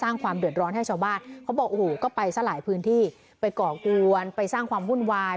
สร้างความเดือดร้อนให้ชาวบ้านเค้าบอกก็ไปสหายพื้นที่ไปกอร์คด้วนไปสร้างความหุ้นไหว